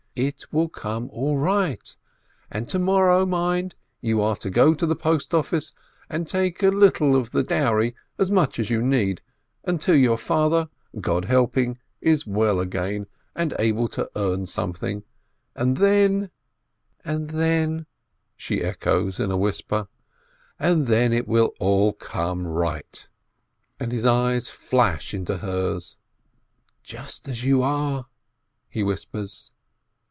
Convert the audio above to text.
It will all come right. And to morrow, mind, you are to go to the postoffice, and take a little of the dowry, as much as you need, until your father, God helping, is well again, and able to earn something, and then ..." A SIMPLE STOKY 503 "And then ..." she echoes in a whisper. "And then it will all come right," and his eyes flash into hers. "Just as you are ..." he whispers.